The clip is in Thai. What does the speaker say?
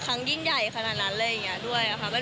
ครั้งยิ่งใหญ่ขนาดนั้นเลยอย่างเงี้ยด้วยอ่ะค่ะ